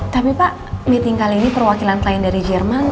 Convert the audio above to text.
tapi pak meeting kali ini perwakilan klien dari jerman